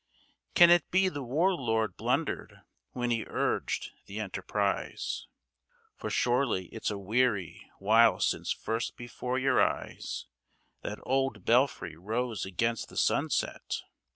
Can it be the War Lord blundered when he urged the enterprise? For surely it's a weary while since first before your eyes That old Belfry rose against the sunset.